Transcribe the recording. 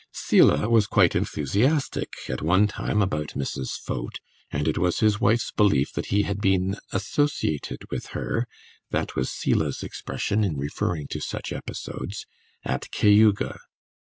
Selah was quite enthusiastic at one time about Mrs. Foat, and it was his wife's belief that he had been "associated" with her (that was Selah's expression in referring to such episodes) at Cayuga.